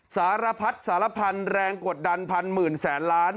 สารพัดสารพันธุ์แรงกดดันพันหมื่นแสนล้าน